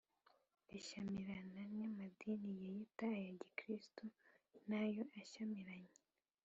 rishyamirana n’amadini yiyita aya gikristo na yo ashyamiranye